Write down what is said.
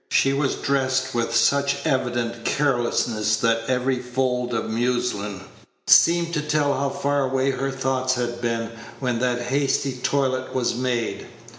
She was dressed with such evident carelessness that every fold of muslin seemed to tell how far away her thoughts had been when that hasty toilet was made.